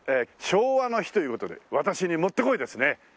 昭和の日という事で私にもってこいですね。